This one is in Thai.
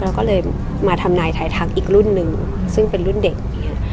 เราก็เลยมาทำนายไทยทักอีกรุ่นหนึ่งซึ่งเป็นรุ่นเด็กอย่างนี้